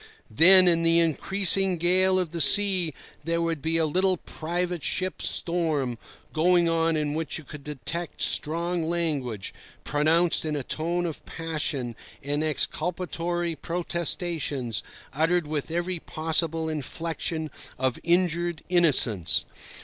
Then in the increasing gale of the sea there would be a little private ship's storm going on in which you could detect strong language, pronounced in a tone of passion and exculpatory protestations uttered with every possible inflection of injured innocence.